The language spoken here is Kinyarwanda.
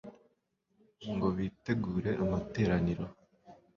ngo bitegure amateraniro